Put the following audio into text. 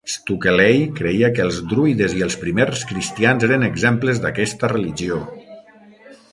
Stukeley creia que els druides i els primers cristians eren exemples d'aquesta religió.